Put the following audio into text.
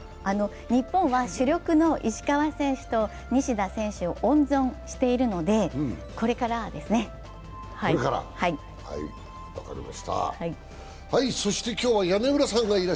日本は主力の石川選手と西田選手を温存しているのでこれからですね、はい。